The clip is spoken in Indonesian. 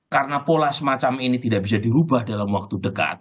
karena pola semacam ini tidak bisa diubah dalam waktu dekat